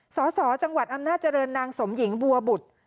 สสจังหวัดอำนาจริงนางสมหญิงบัวบุตร